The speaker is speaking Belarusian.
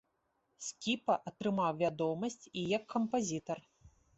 Скіпа атрымаў вядомасць і як кампазітар.